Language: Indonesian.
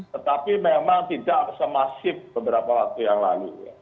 tetapi memang tidak semasif beberapa waktu yang lalu